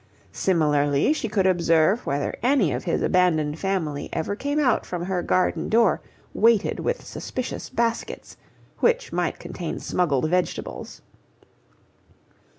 Similarly she could observe whether any of his abandoned family ever came out from her garden door weighted with suspicious baskets, which might contain smuggled vegetables.